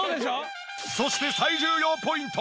そして最重要ポイント。